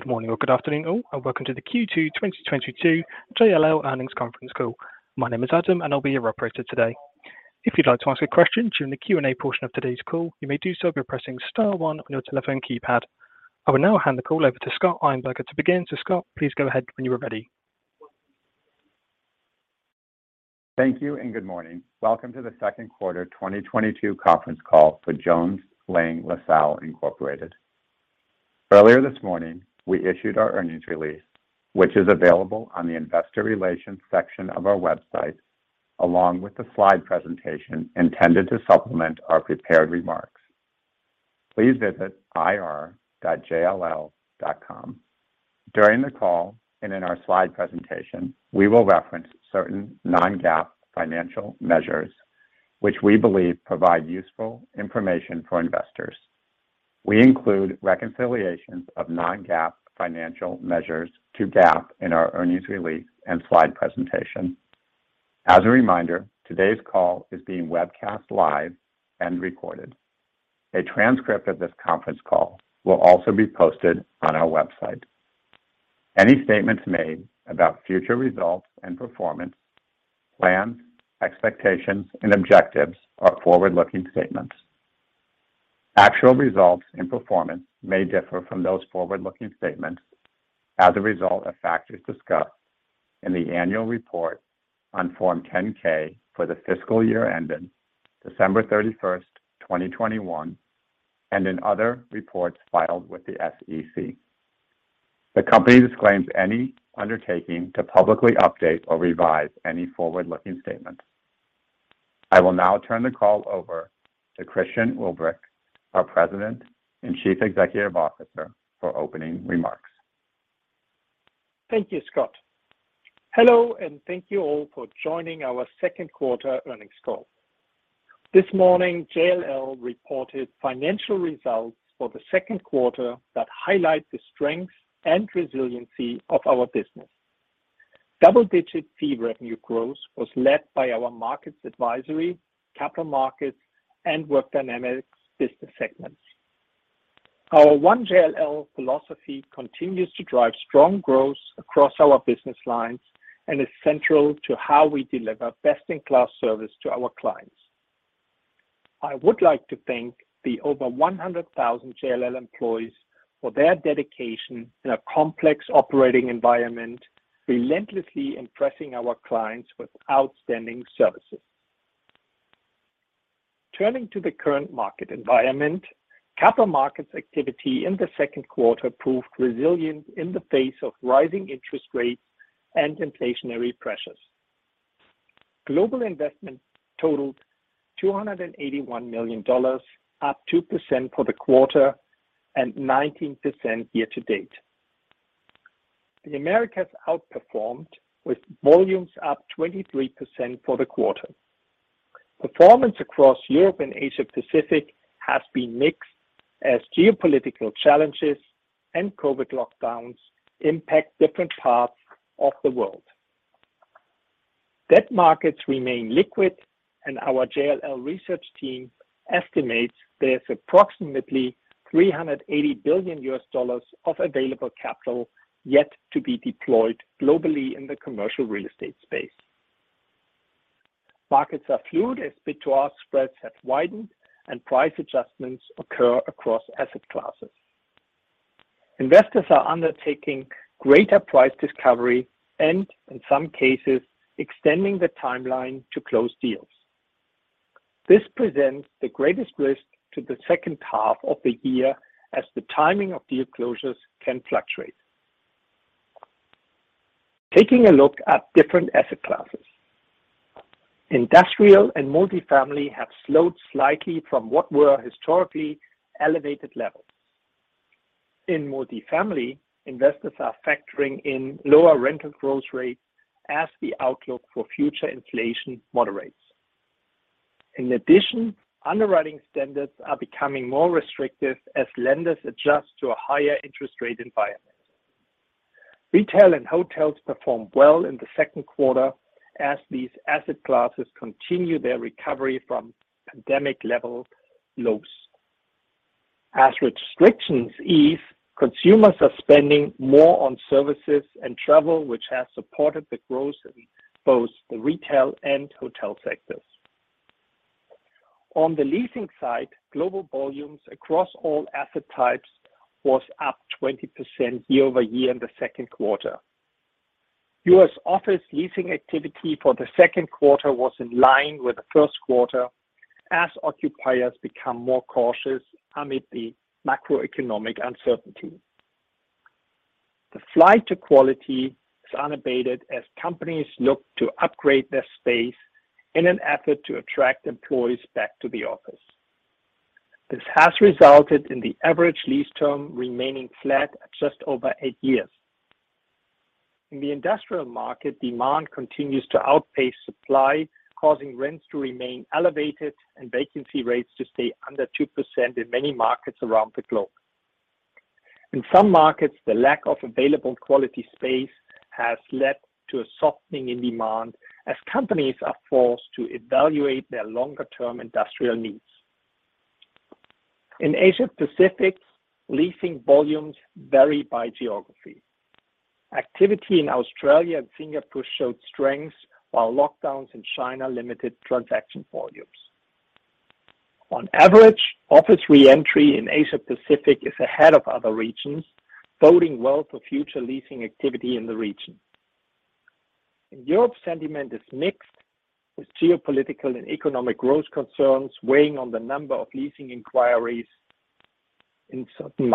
Good morning or good afternoon all, and Welcome to the Q2 2022 JLL Earnings Conference Call. My name is Adam, and I'll be your Operator today. If you'd like to ask a question during the Q&A portion of today's call, you may do so by pressing star one on your telephone keypad. I will now hand the call over to Scott Einberger to begin. Scott, please go ahead when you are ready. Thank you and good morning. Welcome to the Second Quarter 2022 Conference Call for Jones Lang LaSalle Incorporated. Earlier this morning, we issued our earnings release, which is available on the investor relations section of our website, along with the slide presentation intended to supplement our prepared remarks. Please visit ir.jll.com. During the call and in our slide presentation, we will reference certain non-GAAP financial measures which we believe provide useful information for investors. We include reconciliations of non-GAAP financial measures to GAAP in our earnings release and slide presentation. As a reminder, today's call is being webcast live and recorded. A transcript of this conference call will also be posted on our website. Any statements made about future results and performance, plans, expectations and objectives are forward-looking statements. Actual results and performance may differ from those forward-looking statements as a result of factors discussed in the Annual Report on Form 10-K for the fiscal year ending December 31st, 2021, and in other reports filed with the SEC. The company disclaims any undertaking to publicly update or revise any forward-looking statement. I will now turn the call over to Christian Ulbrich, our President and Chief Executive Officer, for opening remarks. Thank you, Scott. Hello, and thank you all for joining our Second Quarter Earnings Call. This morning, JLL reported financial results for the second quarter that highlight the strength and resiliency of our business. Double-digit fee revenue growth was led by our Markets Advisory, Capital Markets, and Work Dynamics business segments. Our One JLL philosophy continues to drive strong growth across our business lines and is central to how we deliver best-in-class service to our clients. I would like to thank the over 100,000 JLL employees for their dedication in a complex operating environment, relentlessly impressing our clients with outstanding services. Turning to the current market environment, Capital Markets activity in the second quarter proved resilient in the face of rising interest rates and inflationary pressures. Global investment totaled $281 million, up 2% for the quarter and 19% year to date. The Americas outperformed with volumes up 23% for the quarter. Performance across Europe and Asia Pacific has been mixed as geopolitical challenges and COVID lockdowns impact different parts of the world. Debt markets remain liquid and our JLL Research Team estimates there's approximately $380 billion of available capital yet to be deployed globally in the commercial real estate space. Markets are fluid as bid to ask spreads have widened and price adjustments occur across asset classes. Investors are undertaking greater price discovery and, in some cases, extending the timeline to close deals. This presents the greatest risk to the second half of the year as the timing of deal closures can fluctuate. Taking a look at different asset classes. Industrial and multifamily have slowed slightly from what were historically elevated levels. In multifamily, investors are factoring in lower rental growth rates as the outlook for future inflation moderates. In addition, underwriting standards are becoming more restrictive as lenders adjust to a higher interest rate environment. Retail and hotels performed well in the second quarter as these asset classes continue their recovery from pandemic level lows. As restrictions ease, consumers are spending more on services and travel, which has supported the growth in both the retail and hotel sectors. On the leasing side, global volumes across all asset types was up 20% year-over-year in the second quarter. U.S. office leasing activity for the second quarter was in line with the first quarter as occupiers become more cautious amid the macroeconomic uncertainty. The flight to quality is unabated as companies look to upgrade their space in an effort to attract employees back to the office. This has resulted in the average lease term remaining flat at just over eight years. In the industrial market, demand continues to outpace supply, causing rents to remain elevated and vacancy rates to stay under 2% in many markets around the globe. In some markets, the lack of available quality space has led to a softening in demand as companies are forced to evaluate their longer term industrial needs. In Asia Pacific, leasing volumes vary by geography. Activity in Australia and Singapore showed strength while lockdowns in China limited transaction volumes. On average, office reentry in Asia Pacific is ahead of other regions, boding well for future leasing activity in the region. In Europe, sentiment is mixed, with geopolitical and economic growth concerns weighing on the number of leasing inquiries in certain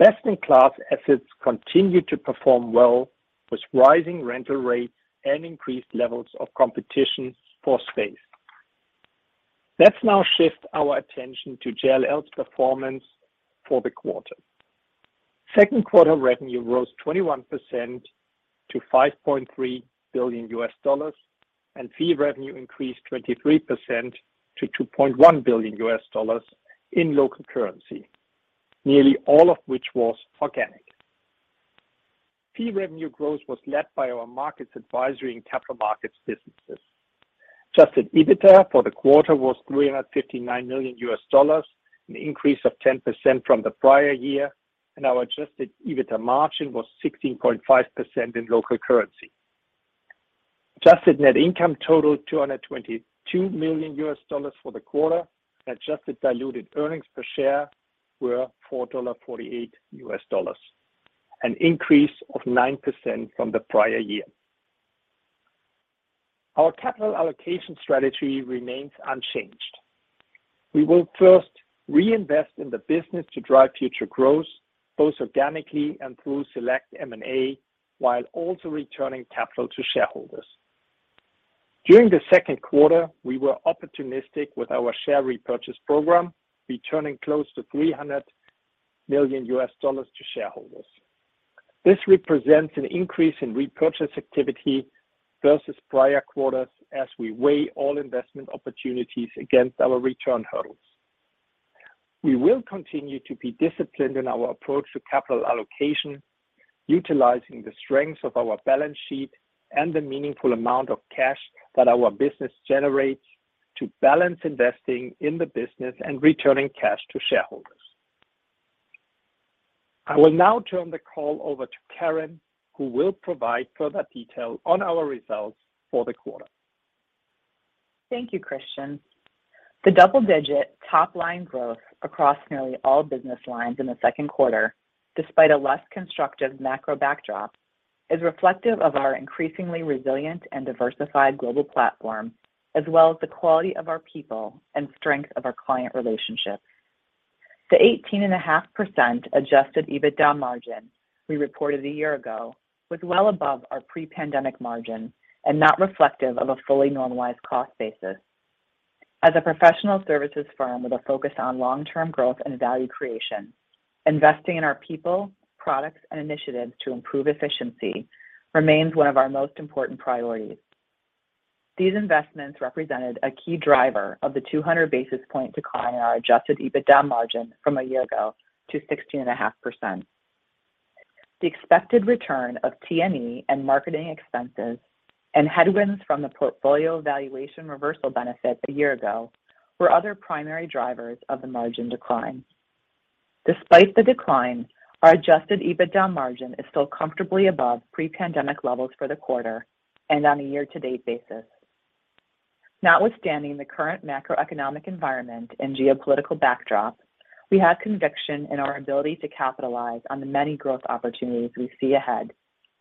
markets. Best-in-class assets continue to perform well, with rising rental rates and increased levels of competition for space. Let's now shift our attention to JLL's performance for the quarter. Second quarter revenue rose 21% to $5.3 billion, and fee revenue increased 23% to $2.1 billion in local currency, nearly all of which was organic. Fee revenue growth was led by our Markets Advisory and Capital Markets businesses. Adjusted EBITDA for the quarter was $359 million, an increase of 10% from the prior year, and our Adjusted EBITDA margin was 16.5% in local currency. Adjusted net income totaled $222 million for the quarter, and Adjusted diluted earnings per share were $4.48, an increase of 9% from the prior year. Our capital allocation strategy remains unchanged. We will first reinvest in the business to drive future growth, both organically and through select M&A, while also returning capital to shareholders. During the second quarter, we were opportunistic with our Share Repurchase program, returning close to $300 million to shareholders. This represents an increase in repurchase activity versus prior quarters as we weigh all investment opportunities against our return hurdles. We will continue to be disciplined in our approach to capital allocation, utilizing the strengths of our balance sheet and the meaningful amount of cash that our business generates to balance investing in the business and returning cash to shareholders. I will now turn the call over to Karen, who will provide further detail on our results for the quarter. Thank you, Christian. The double-digit top-line growth across nearly all business lines in the second quarter, despite a less constructive macro backdrop, is reflective of our increasingly resilient and diversified global platform, as well as the quality of our people and strength of our client relationships. The 18.5% Adjusted EBITDA margin we reported a year ago was well above our pre-pandemic margin and not reflective of a fully normalized cost basis. As a professional services firm with a focus on long-term growth and value creation, investing in our people, products, and initiatives to improve efficiency remains one of our most important priorities. These investments represented a key driver of the 200 basis points decline in our Adjusted EBITDA margin from a year ago to 16.5%. The expected return of T&E and marketing expenses and headwinds from the portfolio valuation reversal benefits a year ago were other primary drivers of the margin decline. Despite the decline, our Adjusted EBITDA margin is still comfortably above pre-pandemic levels for the quarter and on a year-to-date basis. Notwithstanding the current macroeconomic environment and geopolitical backdrop, we have conviction in our ability to capitalize on the many growth opportunities we see ahead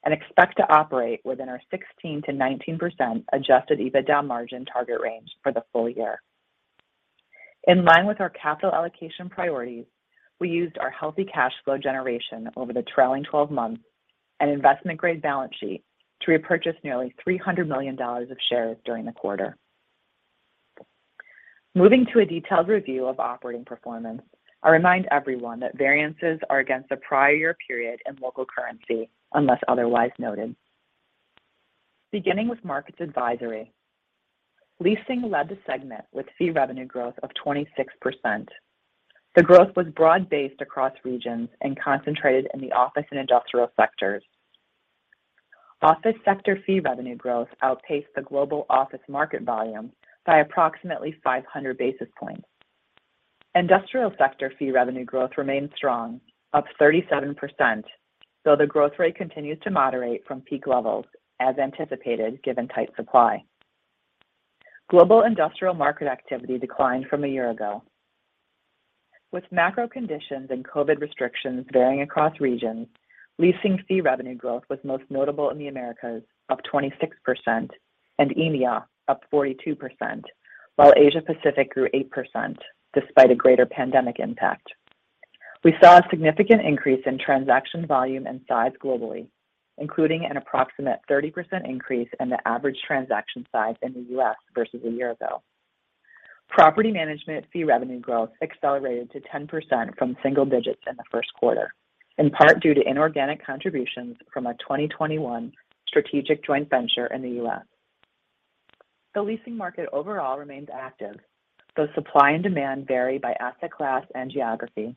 and expect to operate within our 16%-19% Adjusted EBITDA margin target range for the full year. In line with our capital allocation priorities, we used our healthy cash flow generation over the trailing 12 months and investment-grade balance sheet to repurchase nearly $300 million of shares during the quarter. Moving to a detailed review of operating performance, I remind everyone that variances are against the prior year period in local currency, unless otherwise noted. Beginning with Markets Advisory, leasing led the segment with fee revenue growth of 26%. The growth was broad-based across regions and concentrated in the Office and Industrial sectors. Office sector fee revenue growth outpaced the global office market volume by approximately 500 basis points. Industrial sector fee revenue growth remained strong, up 37%, though the growth rate continues to moderate from peak levels as anticipated given tight supply. Global industrial market activity declined from a year ago. With macro conditions and COVID restrictions varying across regions, leasing fee revenue growth was most notable in the Americas, up 26%, and EMEA, up 42%, while Asia Pacific grew 8% despite a greater pandemic impact. We saw a significant increase in transaction volume and size globally, including an approximate 30% increase in the average transaction size in the U.S. versus a year ago. Property Management fee revenue growth accelerated to 10% from single digits in the first quarter, in part due to inorganic contributions from a 2021 strategic joint venture in the U.S. The leasing market overall remains active, though supply and demand vary by asset class and geography.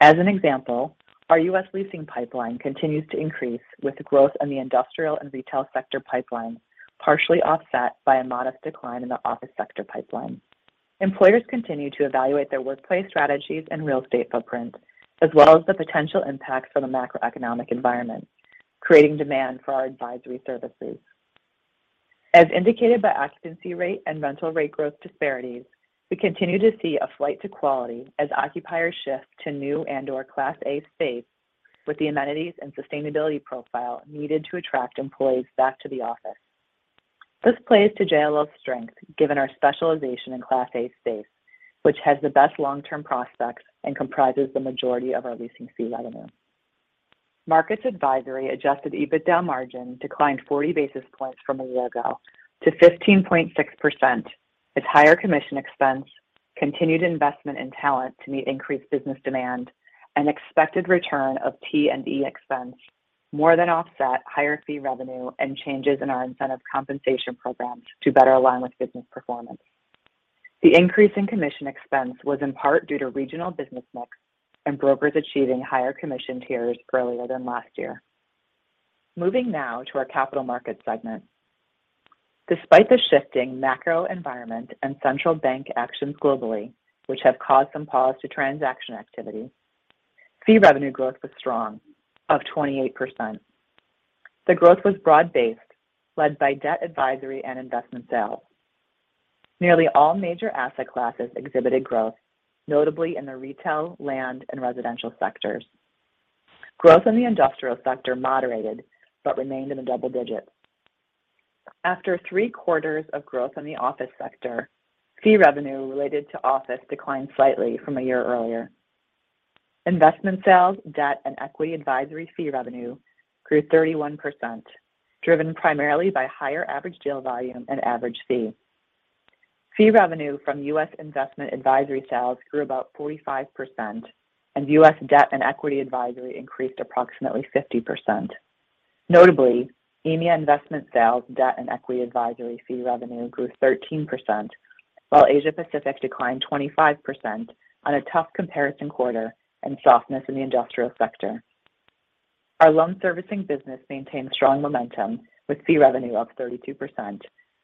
As an example, our U.S. Leasing pipeline continues to increase with the growth in the industrial and retail sector pipeline, partially offset by a modest decline in the office sector pipeline. Employers continue to evaluate their workplace strategies and real estate footprints, as well as the potential impacts from the macroeconomic environment, creating demand for our advisory services. As indicated by occupancy rate and rental rate growth disparities, we continue to see a flight to quality as occupiers shift to new and/or Class A space with the amenities and sustainability profile needed to attract employees back to the office. This plays to JLL's strength, given our specialization in Class A space, which has the best long-term prospects and comprises the majority of our leasing fee revenue. Markets Advisory Adjusted EBITDA margin declined 40 basis points from a year ago to 15.6% as higher commission expense, continued investment in talent to meet increased business demand, and expected return of T&E expense more than offset higher fee revenue and changes in our incentive compensation programs to better align with business performance. The increase in commission expense was in part due to regional business mix and brokers achieving higher commission tiers earlier than last year. Moving now to our Capital Markets segment. Despite the shifting macro environment and central bank actions globally, which have caused some pause to transaction activity, fee revenue growth was strong of 28%. The growth was broad-based, led by Debt Advisory and Investment Sales. Nearly all major asset classes exhibited growth, notably in the retail, land and residential sectors. Growth in the industrial sector moderated but remained in the double digits. After three quarters of growth in the office sector, fee revenue related to office declined slightly from a year earlier. Investment Sales, Debt and Equity Advisory fee revenue grew 31%, driven primarily by higher average deal volume and average fee. Fee revenue from U.S. investment advisory sales grew about 45%, and U.S. Debt and Equity Advisory increased approximately 50%. Notably, EMEA investment sales, debt and equity advisory fee revenue grew 13%, while Asia Pacific declined 25% on a tough comparison quarter and softness in the industrial sector. Our loan servicing business maintained strong momentum with fee revenue up 32%,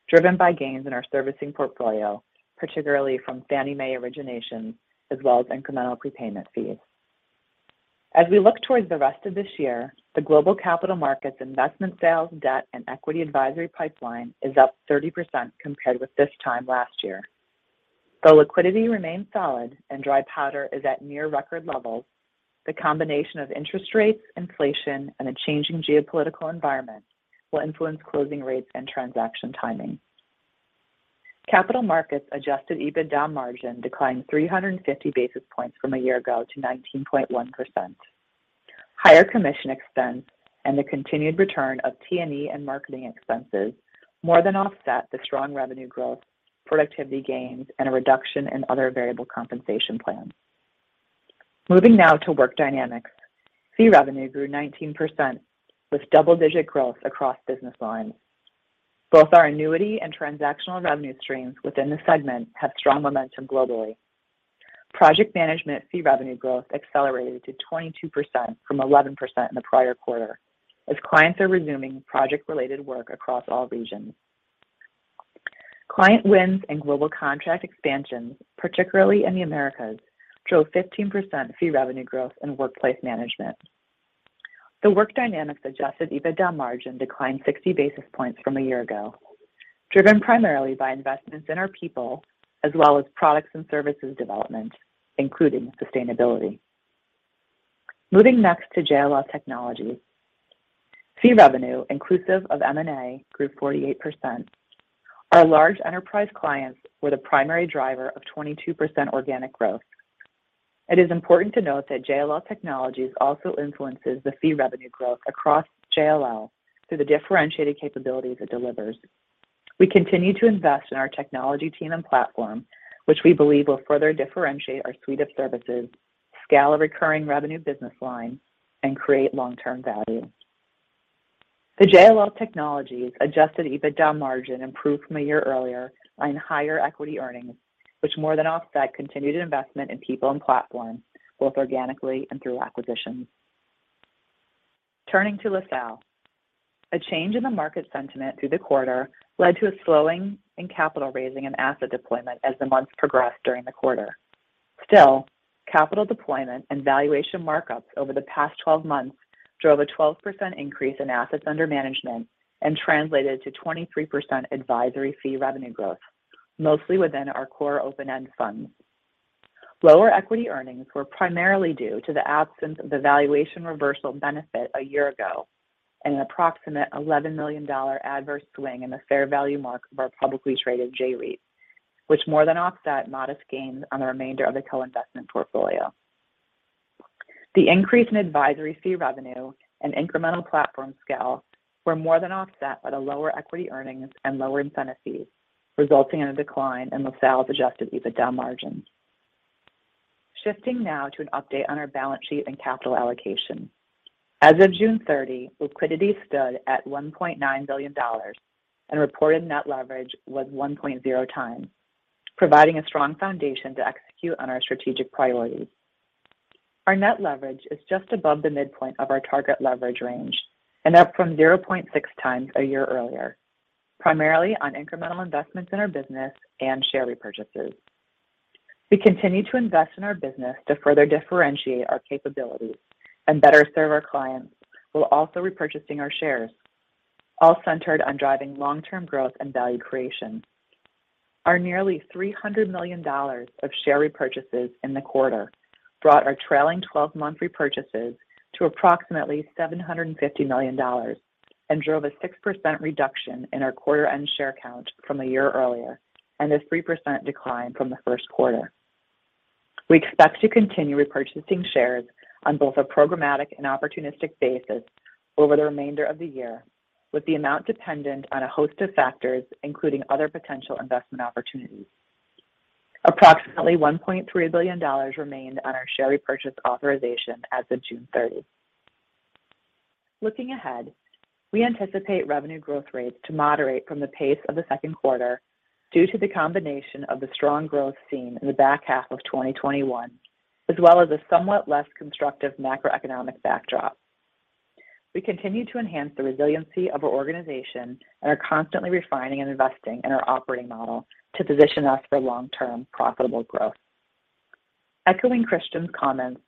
driven by gains in our servicing portfolio, particularly from Fannie Mae originations, as well as incremental prepayment fees. As we look towards the rest of this year, the Global Capital Markets investment sales, debt and equity advisory pipeline is up 30% compared with this time last year. Though liquidity remains solid and dry powder is at near record levels, the combination of interest rates, inflation and a changing geopolitical environment will influence closing rates and transaction timing. Capital Markets Adjusted EBITDA margin declined 350 basis points from a year ago to 19.1%. Higher commission expense and the continued return of T&E and marketing expenses more than offset the strong revenue growth, productivity gains and a reduction in other variable compensation plans. Moving now to Work Dynamics. Fee revenue grew 19% with double digit growth across business lines. Both our annuity and transactional revenue streams within the segment have strong momentum globally. Project Management fee revenue growth accelerated to 22% from 11% in the prior quarter as clients are resuming project related work across all regions. Client wins and global contract expansions, particularly in the Americas, drove 15% fee revenue growth in Workplace Management. The Work Dynamics Adjusted EBITDA margin declined 60 basis points from a year ago, driven primarily by investments in our people as well as products and services development, including sustainability. Moving next to JLL Technologies. Fee revenue inclusive of M&A grew 48%. Our large enterprise clients were the primary driver of 22% organic growth. It is important to note that JLL Technologies also influences the fee revenue growth across JLL through the differentiated capabilities it delivers. We continue to invest in our technology team and platform, which we believe will further differentiate our suite of services, scale a recurring revenue business line, and create long term value. JLL Technologies' Adjusted EBITDA margin improved from a year earlier on higher equity earnings, which more than offset continued investment in people and platform, both organically and through acquisitions. Turning to LaSalle. A change in the market sentiment through the quarter led to a slowing in capital raising and asset deployment as the months progressed during the quarter. Still, capital deployment and valuation markups over the past 12 months drove a 12% increase in assets under management and translated to 23% advisory fee revenue growth, mostly within our core open-end funds. Lower equity earnings were primarily due to the absence of the valuation reversal benefit a year ago and an approximate $11 million adverse swing in the fair value mark of our publicly traded J-REIT, which more than offset modest gains on the remainder of the co-investment portfolio. The increase in advisory fee revenue and incremental platform scale were more than offset by the lower equity earnings and lower Incentive Fees, resulting in a decline in LaSalle's Adjusted EBITDA margins. Shifting now to an update on our balance sheet and capital allocation. As of June 30, liquidity stood at $1.9 billion and reported net leverage was 1.0x, providing a strong foundation to execute on our strategic priorities. Our net leverage is just above the midpoint of our target leverage range and up from 0.6x a year earlier, primarily on incremental investments in our business and Share Repurchases. We continue to invest in our business to further differentiate our capabilities and better serve our clients, while also repurchasing our shares, all centered on driving long-term growth and value creation. Our nearly $300 million of Share Repurchases in the quarter brought our trailing 12-month repurchases to approximately $750 million and drove a 6% reduction in our quarter end share count from a year earlier and a 3% decline from the first quarter. We expect to continue repurchasing shares on both a programmatic and opportunistic basis over the remainder of the year, with the amount dependent on a host of factors, including other potential investment opportunities. Approximately $1.3 billion remained on our Share Repurchase authorization as of June 30. Looking ahead, we anticipate revenue growth rates to moderate from the pace of the second quarter due to the combination of the strong growth seen in the back half of 2021, as well as a somewhat less constructive macroeconomic backdrop. We continue to enhance the resiliency of our organization and are constantly refining and investing in our operating model to position us for long-term profitable growth. Echoing Christian's comments,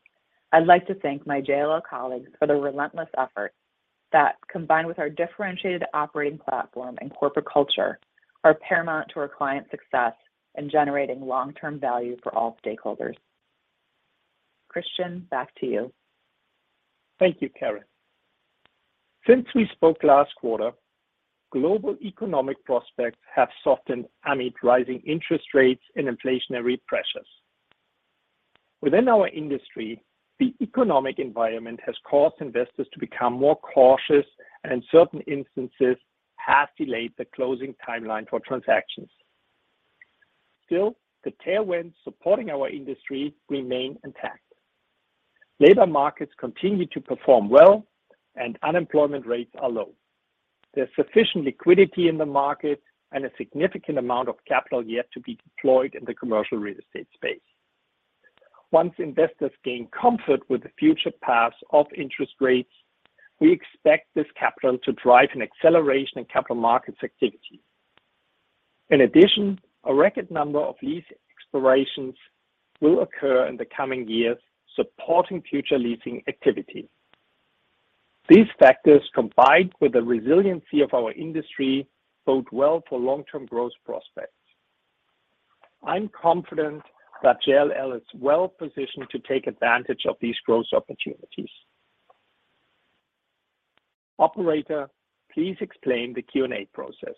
I'd like to thank my JLL colleagues for the relentless effort that, combined with our differentiated operating platform and corporate culture, are paramount to our client success in generating long-term value for all stakeholders. Christian, back to you. Thank you, Karen. Since we spoke last quarter, global economic prospects have softened amid rising interest rates and inflationary pressures. Within our industry, the economic environment has caused investors to become more cautious and in certain instances has delayed the closing timeline for transactions. Still, the tailwinds supporting our industry remain intact. Labor markets continue to perform well and unemployment rates are low. There's sufficient liquidity in the market and a significant amount of capital yet to be deployed in the commercial real estate space. Once investors gain comfort with the future paths of interest rates, we expect this capital to drive an acceleration in Capital Markets activity. In addition, a record number of lease expirations will occur in the coming years, supporting future leasing activity. These factors, combined with the resiliency of our industry, bode well for long-term growth prospects. I'm confident that JLL is well positioned to take advantage of these growth opportunities. Operator, please explain the Q&A process.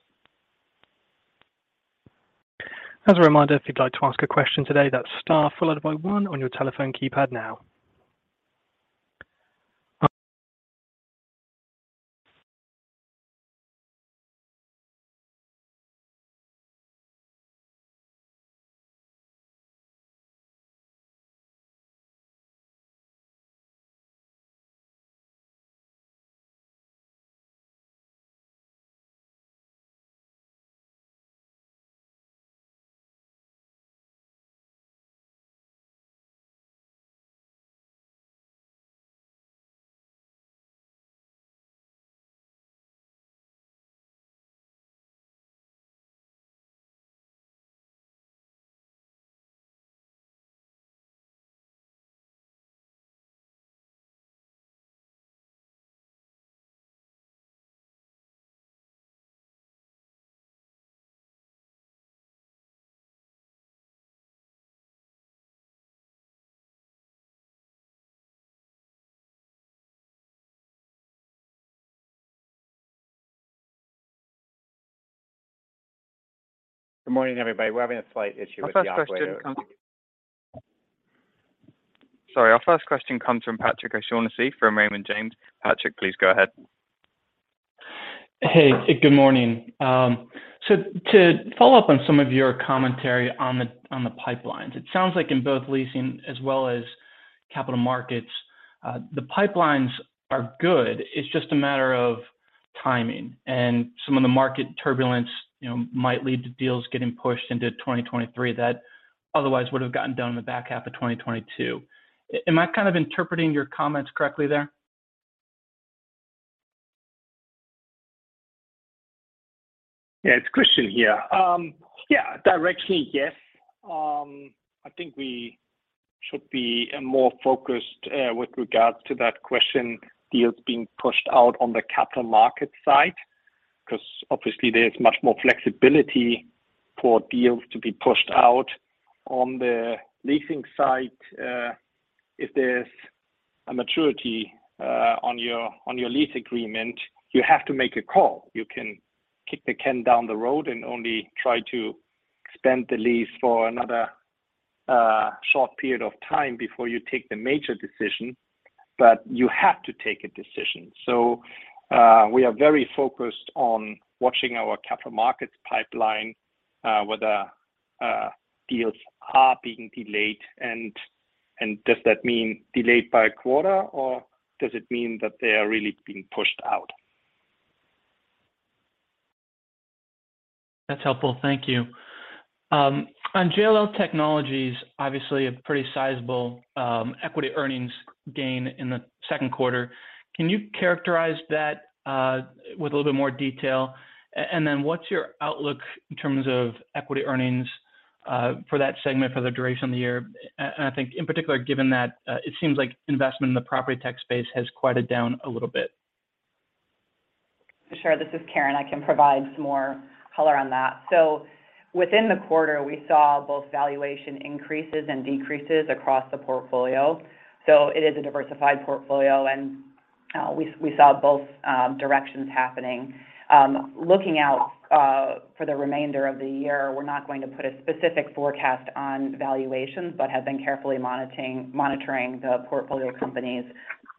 As a reminder, if you'd like to ask a question today, that's star followed by one on your telephone keypad now. Good morning, everybody. We're having a slight issue with the operator. Our first question comes from Patrick O'Shaughnessy from Raymond James. Patrick, please go ahead. Hey, good morning. To follow up on some of your commentary on the pipelines, it sounds like in both leasing as well as Capital Markets, the pipelines are good. It's just a matter of timing, and some of the market turbulence, you know, might lead to deals getting pushed into 2023 that otherwise would have gotten done in the back half of 2022. Am I kind of interpreting your comments correctly there? Yeah. It's Christian here. Yeah, directly, yes. I think we should be more focused, with regards to that question, deals being pushed out on the Capital Markets side, because obviously there's much more flexibility for deals to be pushed out. On the leasing side, if there's a maturity on your lease agreement, you have to make a call. You can kick the can down the road and only try to extend the lease for another short period of time before you take the major decision, but you have to take a decision. We are very focused on watching our Capital Markets pipeline, whether deals are being delayed. Does that mean delayed by a quarter, or does it mean that they are really being pushed out? That's helpful. Thank you. On JLL Technologies, obviously a pretty sizable equity earnings gain in the second quarter. Can you characterize that with a little bit more detail? And then what's your outlook in terms of equity earnings for that segment for the duration of the year? And I think in particular, given that it seems like investment in the property tech space has quieted down a little bit. Sure. This is Karen. I can provide some more color on that. Within the quarter, we saw both valuation increases and decreases across the portfolio. It is a diversified portfolio. We saw both directions happening. Looking out for the remainder of the year, we're not going to put a specific forecast on valuations, but have been carefully monitoring the portfolio companies,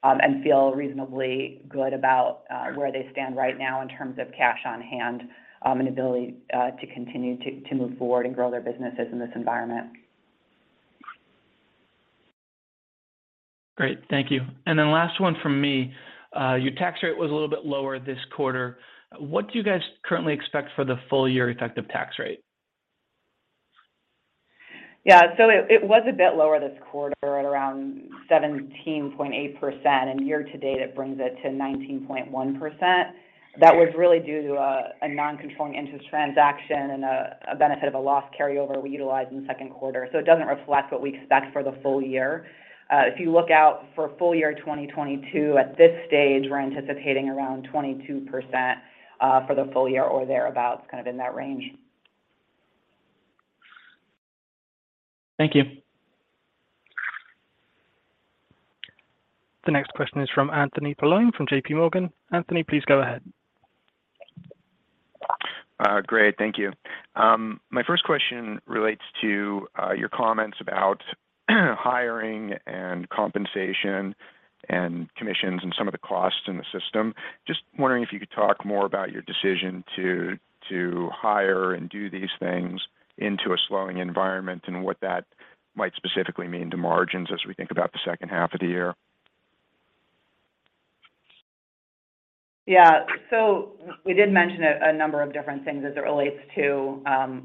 and feel reasonably good about where they stand right now in terms of cash on hand, and ability to continue to move forward and grow their businesses in this environment. Great. Thank you. Last one from me. Your tax rate was a little bit lower this quarter. What do you guys currently expect for the full year effective tax rate? Yeah. It was a bit lower this quarter at around 17.8%, and year to date it brings it to 19.1%. That was really due to a non-controlling interest transaction and a benefit of a loss carry over we utilized in the second quarter. It doesn't reflect what we expect for the full year. If you look out for full year 2022, at this stage, we're anticipating around 22% for the full year or thereabout, kind of in that range. Thank you. The next question is from Anthony Paolone from JPMorgan. Anthony, please go ahead. Great. Thank you. My first question relates to your comments about hiring and compensation and commissions and some of the costs in the system. Just wondering if you could talk more about your decision to hire and do these things into a slowing environment and what that might specifically mean to margins as we think about the second half of the year. Yeah. We did mention a number of different things as it relates to,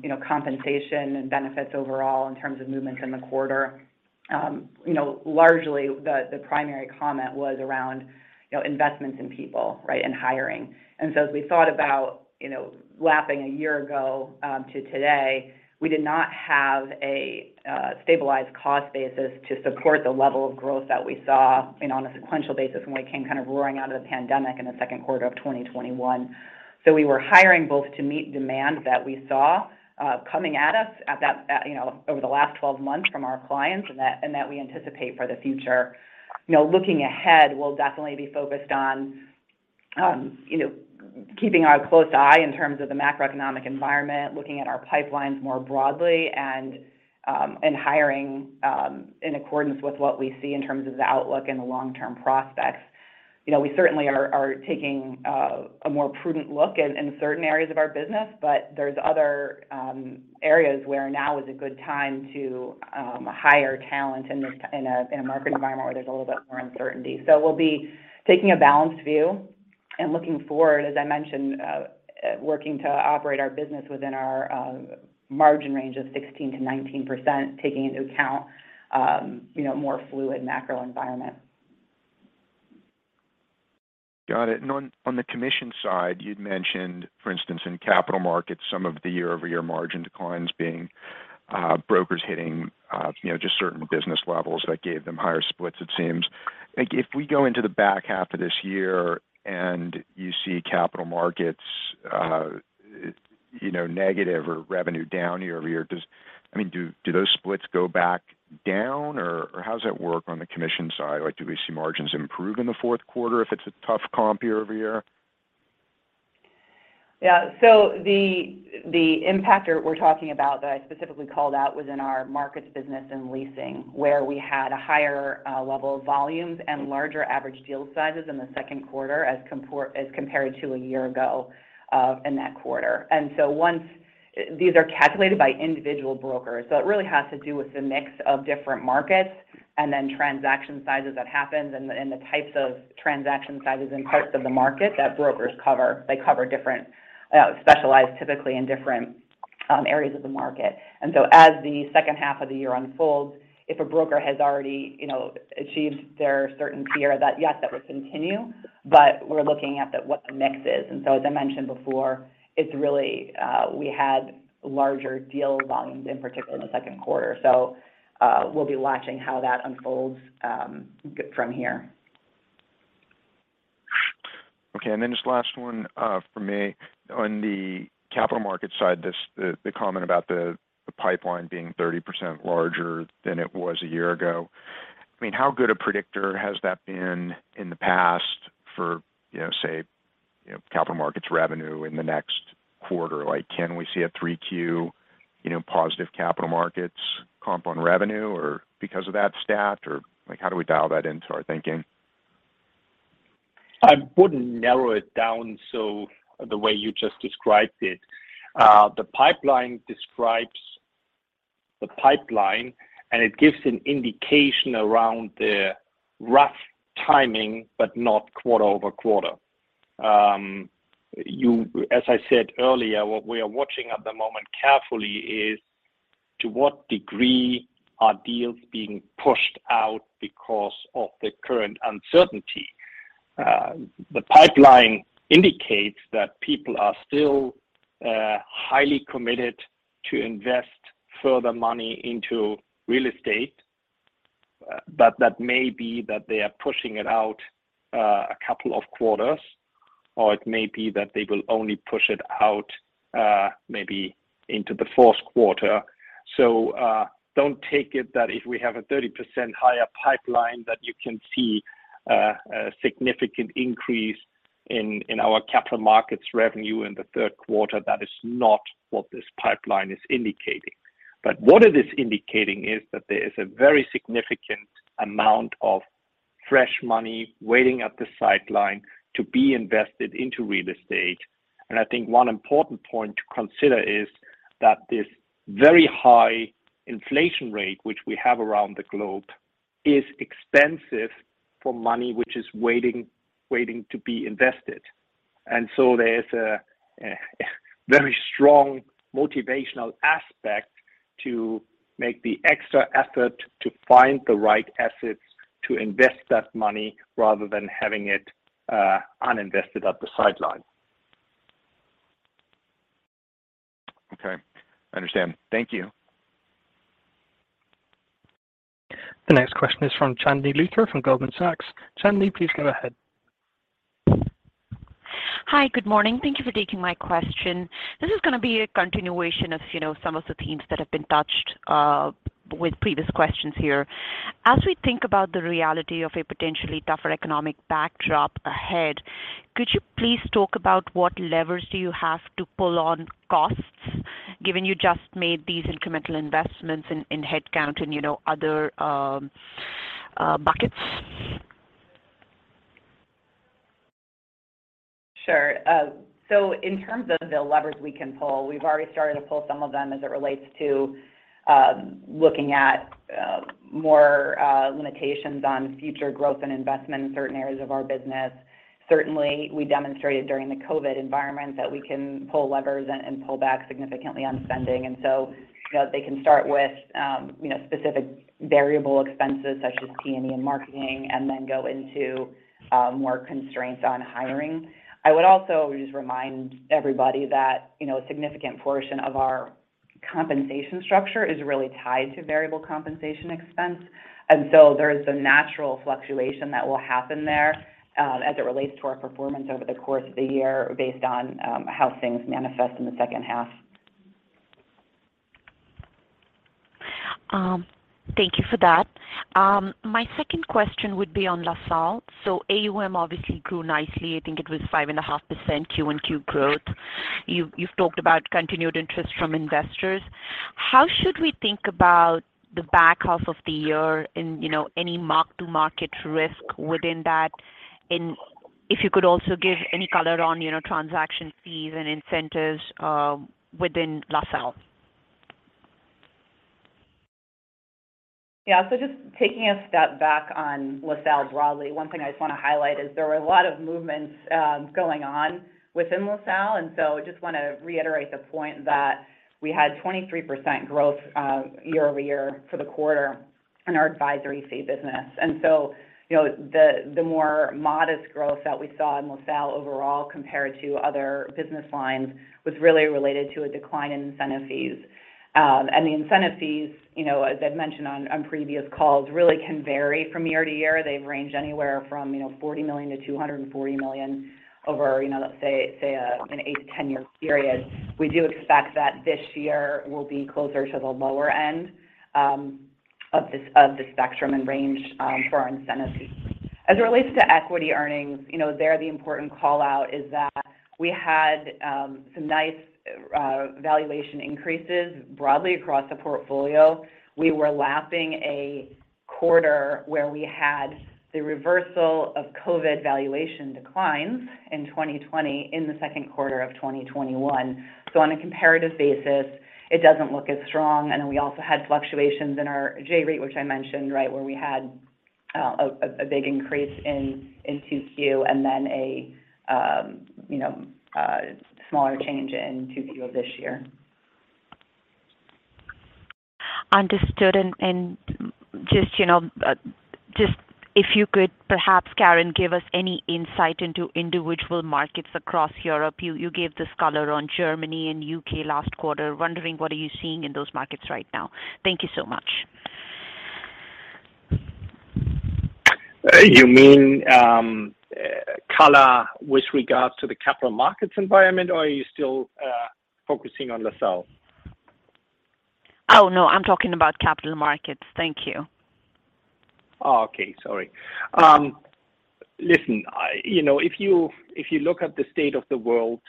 you know, compensation and benefits overall in terms of movements in the quarter. You know, largely the primary comment was around, you know, investments in people, right, and hiring. We thought about, you know, lapping a year ago, to today, we did not have a stabilized cost basis to support the level of growth that we saw, you know, on a sequential basis when we came kind of roaring out of the pandemic in the second quarter of 2021. We were hiring both to meet demand that we saw, coming at us at that, you know, over the last 12 months from our clients and that we anticipate for the future. You know, looking ahead, we'll definitely be focused on, you know, keeping a close eye in terms of the macroeconomic environment, looking at our pipelines more broadly and hiring in accordance with what we see in terms of the outlook and the long-term prospects. You know, we certainly are taking a more prudent look in certain areas of our business, but there's other areas where now is a good time to hire talent in a market environment where there's a little bit more uncertainty. We'll be taking a balanced view and looking forward, as I mentioned, working to operate our business within our margin range of 16%-19%, taking into account more fluid macro environment. Got it. On the commission side, you'd mentioned, for instance, in Capital Markets, some of the year-over-year margin declines being brokers hitting, you know, just certain business levels that gave them higher splits, it seems. Like, if we go into the back half of this year and you see Capital Markets, you know, negative or revenue down year-over-year, I mean, do those splits go back down or how does that work on the commission side? Like, do we see margins improve in the fourth quarter if it's a tough comp year-over-year? Yeah. The impactor we're talking about that I specifically called out was in our markets business and leasing, where we had a higher level of volumes and larger average deal sizes in the second quarter as compared to a year ago in that quarter. These are calculated by individual brokers. It really has to do with the mix of different markets and then transaction sizes that happened and the types of transaction sizes and parts of the market that brokers cover. They cover different specialized typically in different areas of the market. As the second half of the year unfolds, if a broker has already you know achieved their certain tier that, yes, that would continue. But we're looking at what the mix is. As I mentioned before, it's really we had larger deal volumes, in particular in the second quarter. We'll be watching how that unfolds from here. Okay. Just last one from me. On the Capital Markets side, the comment about the pipeline being 30% larger than it was a year ago. I mean, how good a predictor has that been in the past for, you know, say, you know, Capital Markets revenue in the next quarter, like can we see a Q3, you know, positive Capital Markets comp on revenue or because of that stat? Or like, how do we dial that into our thinking? I wouldn't narrow it down so the way you just described it. The pipeline describes the pipeline, and it gives an indication around the rough timing, but not quarter-over-quarter. As I said earlier, what we are watching at the moment carefully is to what degree are deals being pushed out because of the current uncertainty. The pipeline indicates that people are still highly committed to invest further money into real estate, but that may be that they are pushing it out a couple of quarters, or it may be that they will only push it out maybe into the fourth quarter. Don't take it that if we have a 30% higher pipeline that you can see a significant increase in our Capital Markets revenue in the third quarter. That is not what this pipeline is indicating. What it is indicating is that there is a very significant amount of fresh money waiting at the sideline to be invested into real estate. I think one important point to consider is that this very high inflation rate, which we have around the globe, is expensive for money, which is waiting to be invested. There's a very strong motivational aspect to make the extra effort to find the right assets to invest that money rather than having it uninvested at the sideline. Okay. I understand. Thank you. The next question is from Chandni Luthra from Goldman Sachs. Chandni, please go ahead. Hi. Good morning. Thank you for taking my question. This is gonna be a continuation of, you know, some of the themes that have been touched with previous questions here. As we think about the reality of a potentially tougher economic backdrop ahead, could you please talk about what levers do you have to pull on costs, given you just made these incremental investments in headcount and, you know, other buckets? Sure. In terms of the levers we can pull, we've already started to pull some of them as it relates to looking at more limitations on future growth and investment in certain areas of our business. Certainly, we demonstrated during the COVID environment that we can pull levers and pull back significantly on spending. You know, they can start with you know specific variable expenses such as T&E and marketing, and then go into more constraints on hiring. I would also just remind everybody that you know a significant portion of our compensation structure is really tied to variable compensation expense. There is a natural fluctuation that will happen there as it relates to our performance over the course of the year based on how things manifest in the second half. Thank you for that. My second question would be on LaSalle. AUM obviously grew nicely. I think it was 5.5% Q and Q growth. You've talked about continued interest from investors. How should we think about the back half of the year in, you know, any mark-to-market risk within that? And if you could also give any color on, you know, Transaction Fees and incentives within LaSalle. Yeah. Just taking a step back on LaSalle broadly, one thing I just wanna highlight is there were a lot of movements going on within LaSalle. Just wanna reiterate the point that we had 23% growth year-over-year for the quarter in our advisory fee business. You know, the more modest growth that we saw in LaSalle overall compared to other business lines was really related to a decline in Incentive Fees. The Incentive Fees, you know, as I've mentioned on previous calls, really can vary from year-to-year. They've ranged anywhere from, you know, $40 million to 240 million over, you know, let's say an eight, 10 year period. We do expect that this year will be closer to the lower end of the spectrum and range for our Incentive Fees. As it relates to equity earnings, you know, there, the important call-out is that we had some nice valuation increases broadly across the portfolio. We were lapping a quarter where we had the reversal of COVID valuation declines in 2020 in the second quarter of 2021. On a comparative basis, it doesn't look as strong. We also had fluctuations in our J-REIT, which I mentioned, right, where we had a big increase in 2Q and then you know, a smaller change in 2Q of this year. Understood. Just, you know, just if you could perhaps, Karen, give us any insight into individual markets across Europe. You gave this color on Germany and UK last quarter. Wondering what are you seeing in those markets right now. Thank you so much. You mean, color with regards to the Capital Markets environment, or are you still focusing on LaSalle? Oh, no, I'm talking about Capital Markets. Thank you. Oh, okay. Sorry. Listen, you know, if you look at the state of the world,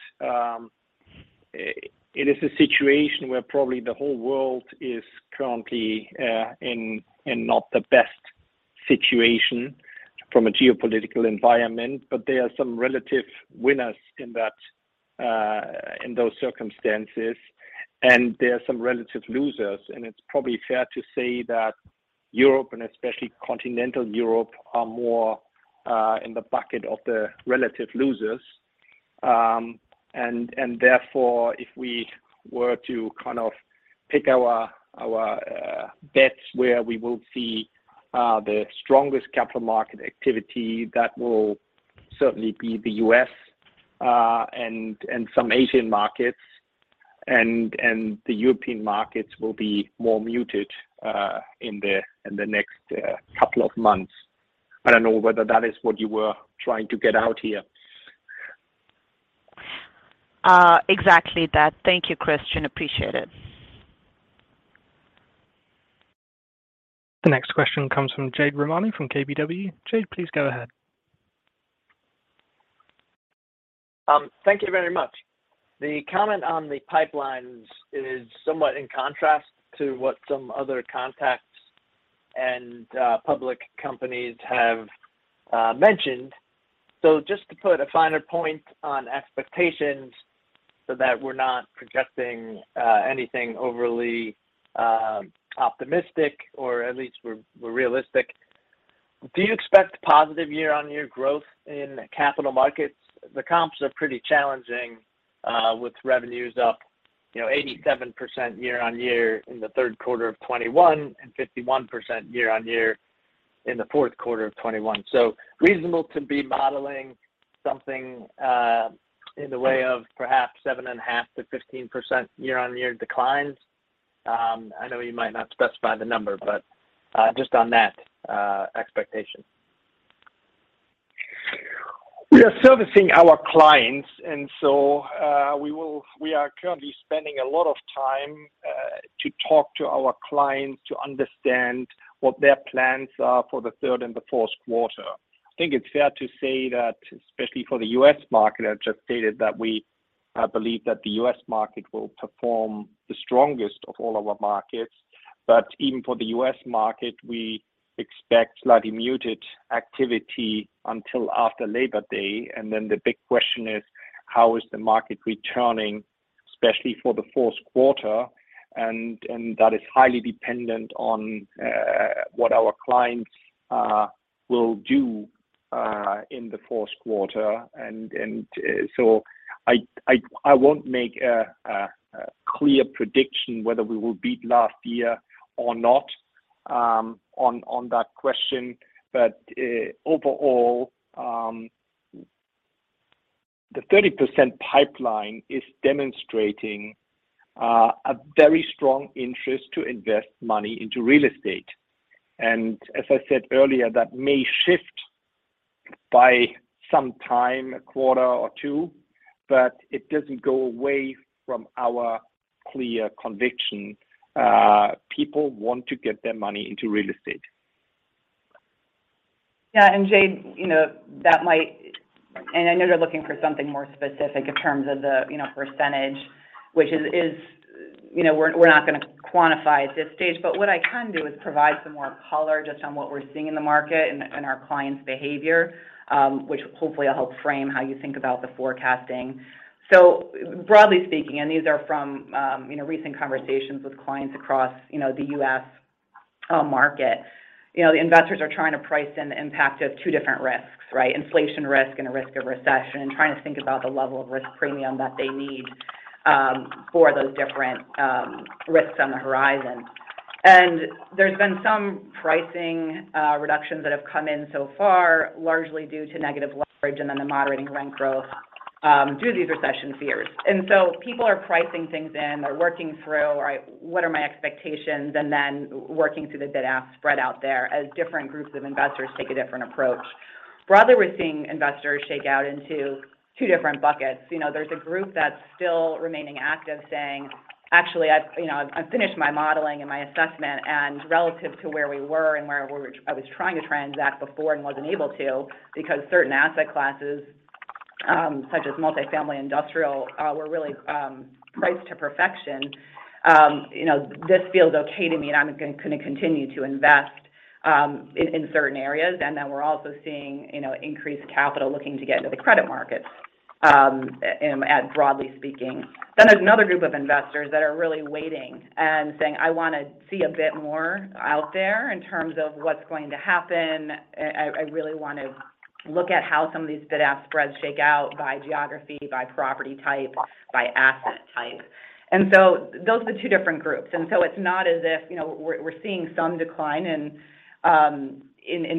it is a situation where probably the whole world is currently in not the best situation from a geopolitical environment, but there are some relative winners in that, in those circumstances, and there are some relative losers. It's probably fair to say that Europe, and especially continental Europe, are more in the bucket of the relative losers. Therefore, if we were to kind of pick our bets where we will see the strongest capital market activity, that will certainly be the U.S. and some Asian markets. The European markets will be more muted in the next couple of months. I don't know whether that is what you were trying to get out here. Exactly that. Thank you, Christian. Appreciate it. The next question comes from Jade Rahmani from KBW. Jade, please go ahead. Thank you very much. The comment on the pipelines is somewhat in contrast to what some other contacts and public companies have mentioned. Just to put a finer point on expectations so that we're not projecting anything overly optimistic, or at least we're realistic, do you expect positive year-on-year growth in Capital Markets? The comps are pretty challenging with revenues up, you know, 87% year-on-year in the third quarter of 2021 and 51% year-on-year in the fourth quarter of 2021. Reasonable to be modeling something in the way of perhaps 7.5%-15% year-on-year declines? I know you might not specify the number, but just on that expectation. We are servicing our clients and so we are currently spending a lot of time to talk to our clients to understand what their plans are for the third and the fourth quarter. I think it's fair to say that especially for the U.S. market, I just stated that we believe that the U.S. market will perform the strongest of all our markets. Even for the U.S. market, we expect slightly muted activity until after Labor Day. Then the big question is, how is the market returning, especially for the fourth quarter? That is highly dependent on what our clients will do in the fourth quarter. I won't make a clear prediction whether we will beat last year or not on that question. Overall, the 30% pipeline is demonstrating a very strong interest to invest money into real estate. As I said earlier, that may shift by some time, a quarter or two, but it doesn't go away from our clear conviction. People want to get their money into real estate. Yeah. Jade, you know, I know you're looking for something more specific in terms of the, you know, percentage, which, you know, we're not gonna quantify at this stage. What I can do is provide some more color just on what we're seeing in the market and our clients' behavior, which hopefully will help frame how you think about the forecasting. Broadly speaking, these are from, you know, recent conversations with clients across, you know, the U.S. market. You know, the investors are trying to price in the impact of two different risks, right? Inflation risk and a risk of recession, and trying to think about the level of risk premium that they need for those different risks on the horizon. There's been some pricing reductions that have come in so far, largely due to negative leverage and then the moderating rent growth due to these recession fears. People are pricing things in. They're working through, all right, what are my expectations? Then working through the bid-ask spread out there as different groups of investors take a different approach. Broadly, we're seeing investors shake out into two different buckets. You know, there's a group that's still remaining active saying, "Actually, you know, I've finished my modeling and my assessment, and relative to where we were, I was trying to transact before and wasn't able to because certain asset classes, such as multifamily, industrial, were really priced to perfection. You know, this feels okay to me, and I'm gonna continue to invest in certain areas. Then we're also seeing, you know, increased capital looking to get into the credit markets, broadly speaking. There's another group of investors that are really waiting and saying, "I wanna see a bit more out there in terms of what's going to happen. I really wanna look at how some of these bid-ask spreads shake out by geography, by property type, by asset type." Those are the two different groups. It's not as if you know, we're seeing some decline in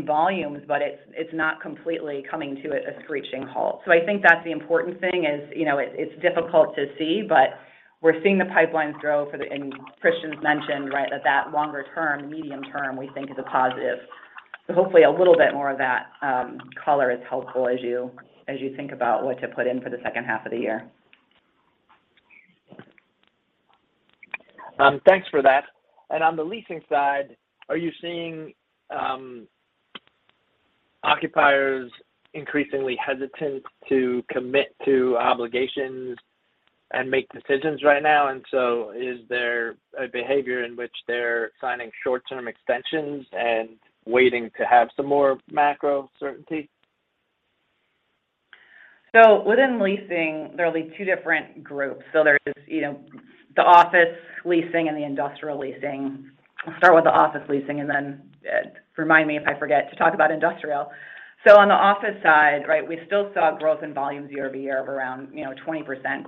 volumes, but it's not completely coming to a screeching halt. I think that's the important thing is, you know, it's difficult to see, but we're seeing the pipelines grow, and Christian's mentioned, right, that longer term, medium term, we think is a positive. Hopefully a little bit more of that, color is helpful as you, as you think about what to put in for the second half of the year. Thanks for that. On the leasing side, are you seeing, occupiers increasingly hesitant to commit to obligations and make decisions right now? Is there a behavior in which they're signing short-term extensions and waiting to have some more macro certainty? Within leasing, there are really two different groups. There's, you know, the office leasing and the industrial leasing. I'll start with the office leasing and then remind me if I forget to talk about industrial. On the office side, right, we still saw growth in volumes year-over-year of around, you know, 20%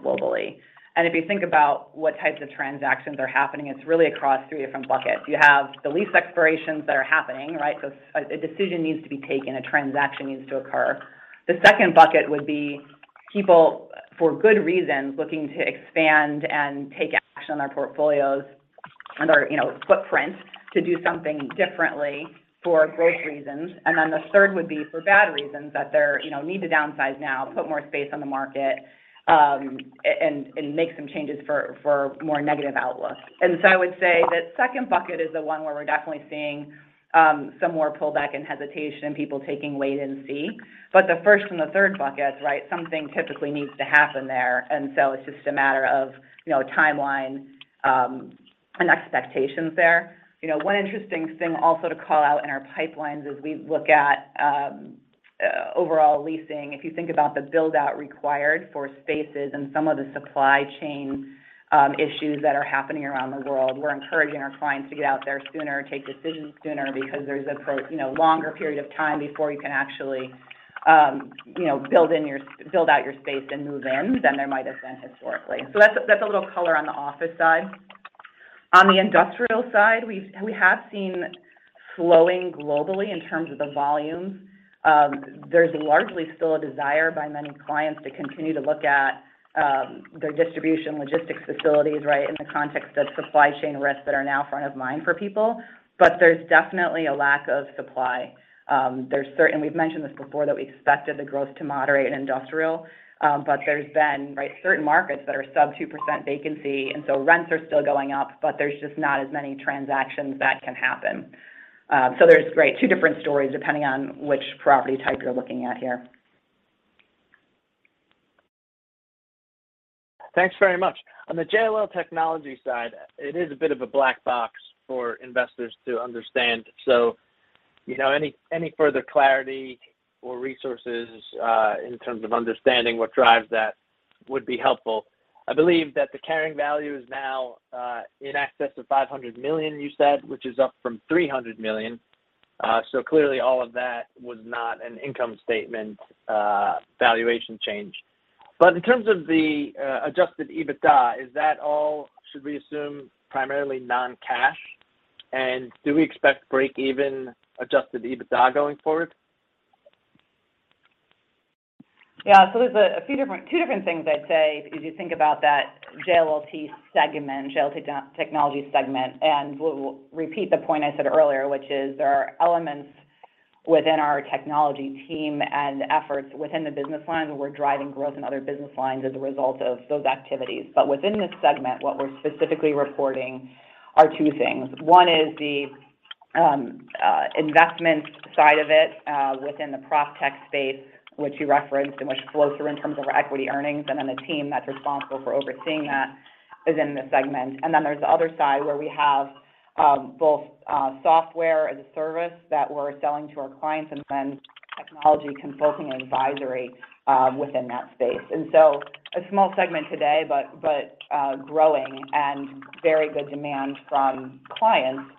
globally. If you think about what types of transactions are happening, it's really across three different buckets. You have the lease expirations that are happening, right? A decision needs to be taken, a transaction needs to occur. The second bucket would be people, for good reasons, looking to expand and take action on their portfolios and their, you know, footprint to do something differently for growth reasons. Then the third would be for bad reasons that they're, you know, need to downsize now, put more space on the market, and make some changes for more negative outlooks. I would say that second bucket is the one where we're definitely seeing some more pullback and hesitation, people taking wait and see. The first and the third bucket, right, something typically needs to happen there. It's just a matter of, you know, timeline and expectations there. You know, one interesting thing also to call out in our pipelines as we look at overall leasing, if you think about the build-out required for spaces and some of the supply chain issues that are happening around the world, we're encouraging our clients to get out there sooner, take decisions sooner because there's a you know, longer period of time before you can actually you know, build out your space and move in than there might have been historically. That's a little color on the office side. On the industrial side, we have seen slowing globally in terms of the volume. There's largely still a desire by many clients to continue to look at their distribution logistics facilities, right, in the context of supply chain risks that are now front of mind for people. There's definitely a lack of supply. We've mentioned this before that we expected the growth to moderate in industrial. There's been, right, certain markets that are sub 2% vacancy, and so rents are still going up, but there's just not as many transactions that can happen. There's, right, two different stories depending on which property type you're looking at here. Thanks very much. On the JLL technology side, it is a bit of a black box for investors to understand. You know, any further clarity or resources in terms of understanding what drives that would be helpful. I believe that the carrying value is now in excess of $500 million, you said, which is up from $300 million. Clearly all of that was not an income statement valuation change. But in terms of the Adjusted EBITDA, is that all? Should we assume primarily non-cash? And do we expect break-even Adjusted EBITDA going forward? Yeah. There's two different things I'd say if you think about that JLL Technologies segment, and we'll repeat the point I said earlier, which is there are elements within our technology team and efforts within the business lines where we're driving growth in other business lines as a result of those activities. Within this segment, what we're specifically reporting are two things. One is the investment side of it within the PropTech space which you referenced and which flows through in terms of our equity earnings, and then the team that's responsible for overseeing that is in the segment. There's the other side where we have both software as a service that we're selling to our clients and then technology consulting and advisory within that space. A small segment today, but growing and very good demand from clients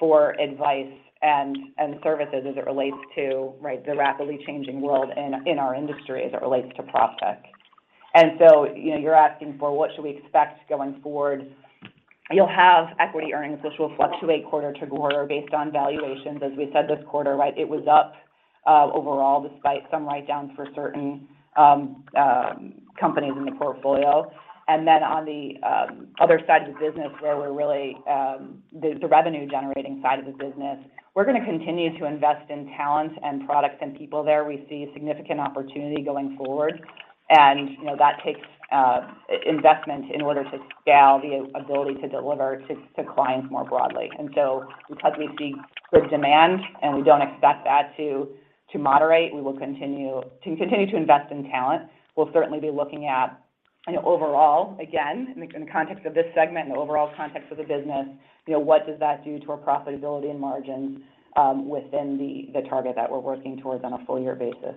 for advice and services as it relates to, right, the rapidly changing world in our industry as it relates to PropTech. You know, you're asking for what should we expect going forward. You'll have equity earnings, which will fluctuate quarter to quarter based on valuations. As we said this quarter, right, it was up overall despite some write downs for certain companies in the portfolio. On the other side of the business where we're really the revenue generating side of the business, we're gonna continue to invest in talent and products and people there. We see significant opportunity going forward. You know, that takes investment in order to scale the ability to deliver to clients more broadly. Because we see good demand and we don't expect that to moderate, we will continue to invest in talent. We'll certainly be looking at, you know, overall, again, in the context of this segment and the overall context of the business, you know, what does that do to our profitability and margins, within the target that we're working towards on a full year basis.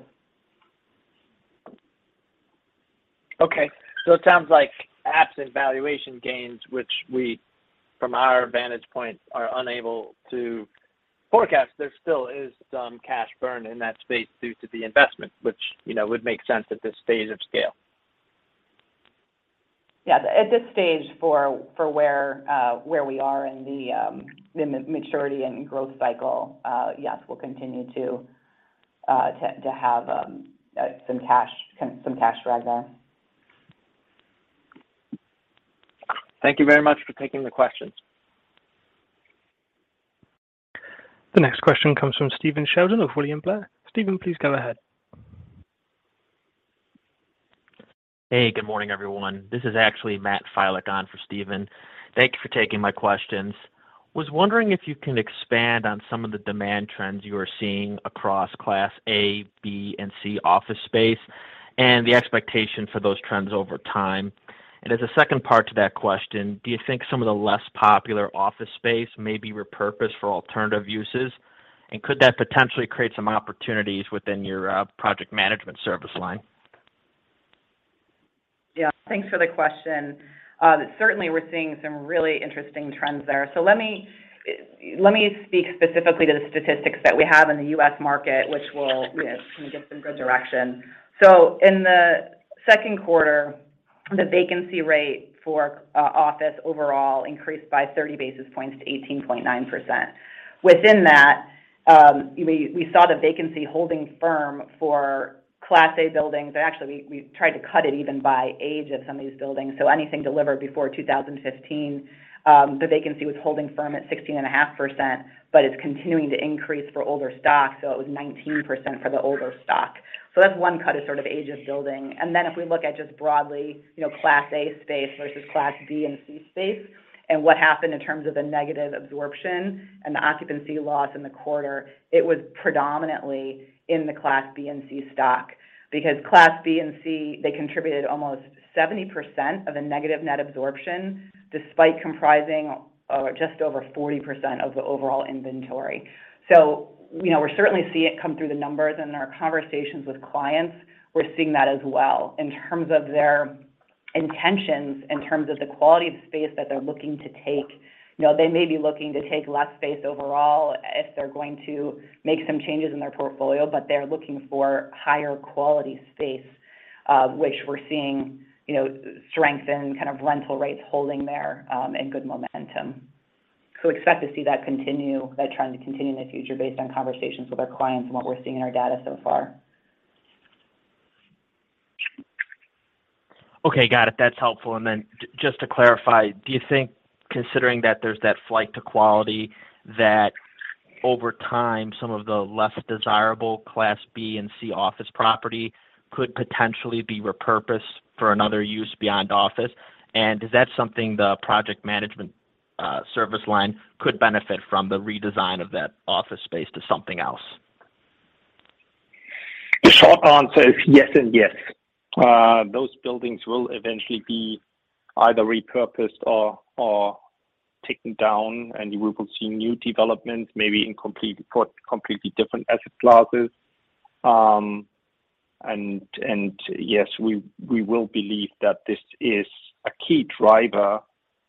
Okay. It sounds like absent valuation gains, which we from our vantage point are unable to forecast, there still is some cash burn in that space due to the investment, which, you know, would make sense at this stage of scale. Yeah. At this stage for where we are in the maturity and growth cycle, yes, we'll continue to have some cash drag there. Thank you very much for taking the questions. The next question comes from Stephen Sheldon of William Blair. Stephen, please go ahead. Hey, good morning, everyone. This is actually Matt Filek on for Stephen. Thank you for taking my questions. Was wondering if you can expand on some of the demand trends you are seeing across class A, B, and C office space and the expectation for those trends over time. As a second part to that question, do you think some of the less popular office space may be repurposed for alternative uses? Could that potentially create some opportunities within your Project Management service line? Yeah. Thanks for the question. Certainly we're seeing some really interesting trends there. Let me speak specifically to the statistics that we have in the U.S. market, which will, you know, kind of give some good direction. In the second quarter, the vacancy rate for office overall increased by 30 basis points to 18.9%. Within that, we saw the vacancy holding firm for Class A buildings. Actually, we tried to cut it even by age of some of these buildings. Anything delivered before 2015, the vacancy was holding firm at 16.5%, but it's continuing to increase for older stocks, so it was 19% for the older stock. That's one cut of sort of age of building. If we look at just broadly, you know, class A space versus class B and C space and what happened in terms of the negative absorption and the occupancy loss in the quarter, it was predominantly in the class B and C stock. Because class B and C, they contributed almost 70% of the negative net absorption despite comprising o-or just over 40% of the overall inventory. You know, we're certainly see it come through the numbers. In our conversations with clients, we're seeing that as well. In terms of their intentions, in terms of the quality of space that they're looking to take, you know, they may be looking to take less space overall if they're going to make some changes in their portfolio, but they're looking for higher quality space, which we're seeing, you know, strength and kind of rental rates holding there, and good momentum. Expect to see that continue, that trend to continue in the future based on conversations with our clients and what we're seeing in our data so far. Okay. Got it. That's helpful. Just to clarify, do you think considering that there's that flight to quality that over time some of the less desirable class B and C office property could potentially be repurposed for another use beyond office? Is that something the Project Management service line could benefit from the redesign of that office space to something else? The short answer is yes and yes. Those buildings will eventually be either repurposed or taken down, and we will see new developments maybe for completely different asset classes. Yes, we will believe that this is a key driver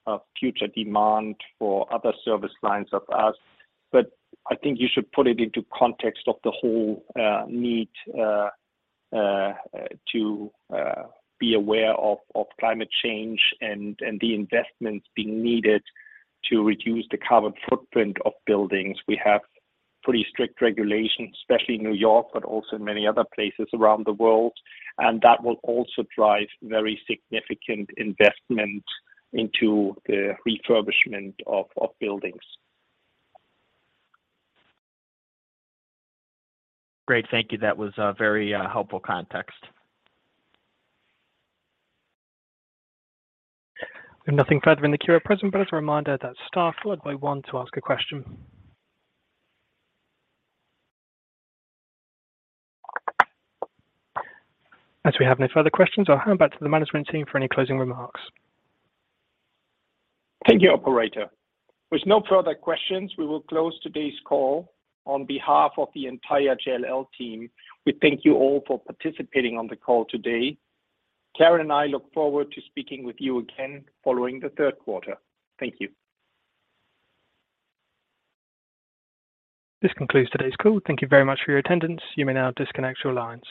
of future demand for other service lines of us. I think you should put it into context of the whole need to be aware of climate change and the investments being needed to reduce the carbon footprint of buildings. We have pretty strict regulations, especially in New York, but also in many other places around the world, and that will also drive very significant investment into the refurbishment of buildings. Great. Thank you. That was very helpful context. Nothing further in the queue at present, but as a reminder, star followed by one to ask a question. As we have no further questions, I'll hand back to the management team for any closing remarks. Thank you, operator. With no further questions, we will close today's call. On behalf of the entire JLL team, we thank you all for participating on the call today. Karen and I look forward to speaking with you again following the third quarter. Thank you. This concludes today's call. Thank you very much for your attendance. You may now disconnect your lines.